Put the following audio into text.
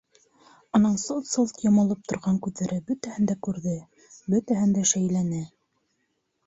Уның сылт-сылт йомолоп торған күҙҙәре бөтәһен дә күрҙе, бөтәһен дә шәйләне.